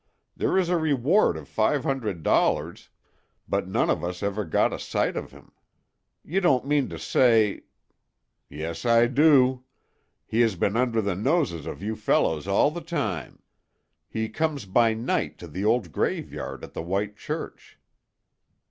There is a reward of five hundred dollars, but none of us ever got a sight of him. You don't mean to say—" "Yes, I do. He has been under the noses of you fellows all the time. He comes by night to the old graveyard at the White Church."